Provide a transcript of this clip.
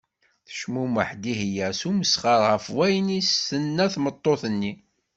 Tecmumeḥ Dihya s usmesxer ɣef wayen i as-tenna tmeṭṭut-nni.